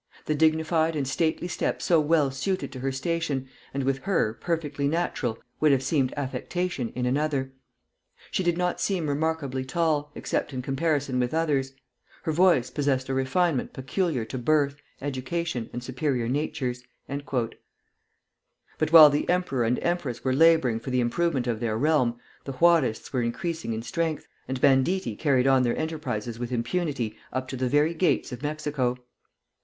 The dignified and stately step so well suited to her station, and with her perfectly natural, would have seemed affectation in another. She did not seem remarkably tall, except in comparison with others. Her voice possessed a refinement peculiar to birth, education, and superior natures." But while the emperor and empress were laboring for the improvement of their realm, the Juarists were increasing in strength, and banditti carried on their enterprises with impunity up to the very gates of Mexico.